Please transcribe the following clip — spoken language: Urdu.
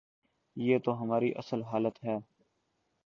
یہ تو ہماری اصل حالت ہے۔